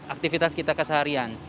aktivitas kita keseharian